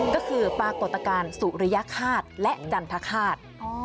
ก็คือปรากฏการณ์สุริยฆาตและจันทคาต